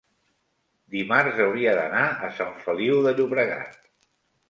dimarts hauria d'anar a Sant Feliu de Llobregat.